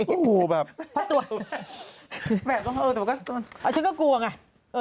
โอ้โฮแบบเพราะตรวจอ่าฉันก็กลัวไง